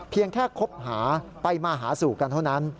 เพียงแค่คบหาไปมาหาสู่กันเท่านั้น